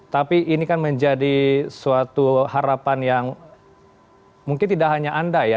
tapi ini kan menjadi suatu harapan yang mungkin tidak hanya anda ya